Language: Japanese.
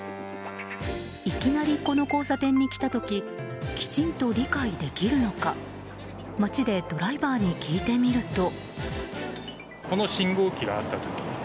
いきなりこの交差点に来た時きちんと理解できるのか街でドライバーに聞いてみると。